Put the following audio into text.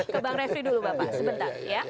ke bang refli dulu bapak sebentar